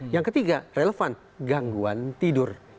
yang ketiga relevan gangguan tidur